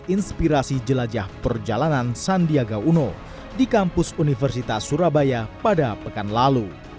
inspirasi jelajah perjalanan sandiaga uno di kampus universitas surabaya pada pekan lalu